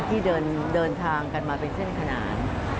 ที่เดินทางกันมาเป็นเส้นขนาน